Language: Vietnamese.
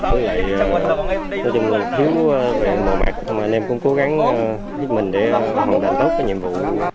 với lại tổ chức nguồn thiếu về mùa mặt mà nên cũng cố gắng giúp mình để hoàn toàn tốt cái nhiệm vụ